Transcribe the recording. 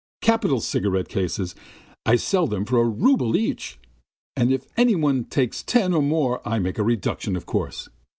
Capital cigarette cases! I sell them for a rouble each. If any one takes ten or more I make a reduction of course.